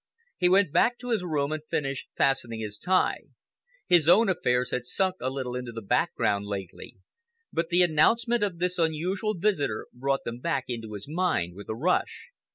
He went back to his room and finished fastening his tie. His own affairs had sunk a little into the background lately, but the announcement of this unusual visitor brought them back into his mind with a rush.